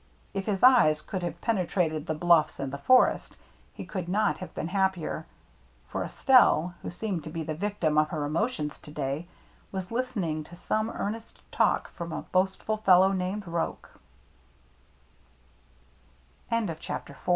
If his eyes could have penetrated the bluffs and the forest, he would not have been happier. For Es telle, who seemed to be the victim of her emotions to day, was listening to some earnest talk from a boastful fellow named